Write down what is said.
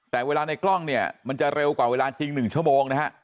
แต่เวลาในกล้องเนี่ยมันจะเร็วกว่าเวลาจริง๑ชั่วโมงนะฮะ